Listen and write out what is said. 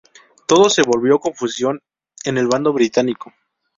Todo se volvió confusión en el bando británico.